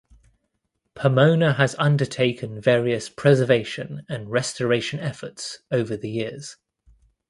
Pomona has undertaken various preservation and restoration efforts over the years.